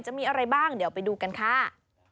จะมีอะไรบ้างเดี๋ยวไปดูกันค่ะ